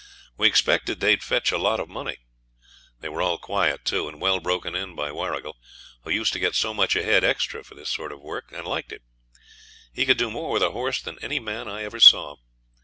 We expected they'd fetch a lot of money. They were all quiet, too, and well broken in by Warrigal, who used to get so much a head extra for this sort of work, and liked it. He could do more with a horse than any man I ever saw.